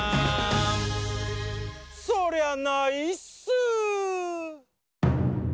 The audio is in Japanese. そりゃないっすー！